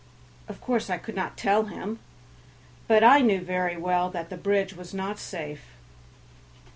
Of course I could not tell him, but I knew very well that the bridge was not safe.